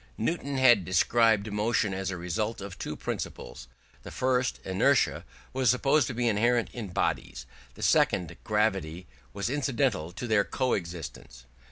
Newton had described motion as a result of two principles: the first, inertia, was supposed to be inherent in bodies; the second, gravity, was incidental to their co existence.